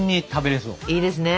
いいですね。